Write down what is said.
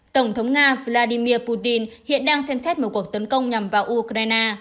tổng thống nga vladimir putin hiện đang xem xét một cuộc tấn công nhằm vào ukraine